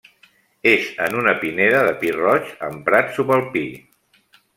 És en una pineda de pi roig amb prat subalpí.